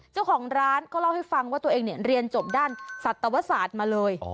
เจ้าของร้านก็เล่าให้ฟังว่าตัวเองเนี่ยเรียนจบด้านสัตวศาสตร์มาเลย